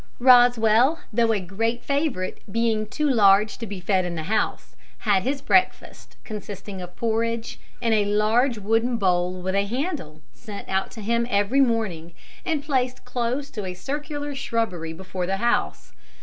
Rosswell, though a great favourite, being too large to be fed in the house, had his breakfast, consisting of porridge, in a large wooden bowl with a handle, sent out to him every morning, and placed close to a circular shrubbery before the house.